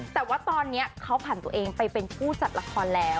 แต่ตอนนี้เขาผ่านไปเป็นผู้จัดละคร